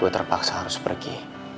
gue terpaksa harus pergi